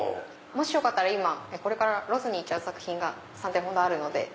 よかったら今ロスに行っちゃう作品が３点ほどあるので。